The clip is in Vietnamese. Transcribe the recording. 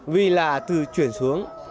vì là từ chuyển xuống